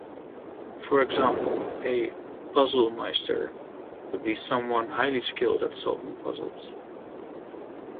For example, a "puzzle-meister" would be someone highly skilled at solving puzzles.